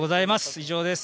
以上です。